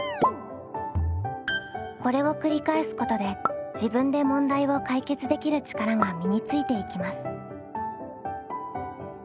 これを繰り返すことで自分で問題を解決できる力が身についていきます。